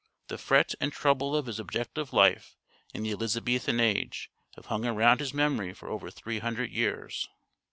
The fret and trouble of his objective life in the Elizabethan age have hung around his memory for over three hundred years.